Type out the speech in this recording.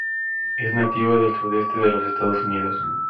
Es nativa del sudeste de los Estados Unidos.